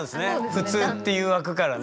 普通っていう枠からね。